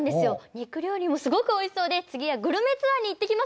肉料理もすごくおいしそうで次はグルメツアーに行ってきますよ！